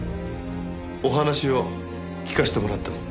お話を聞かせてもらっても？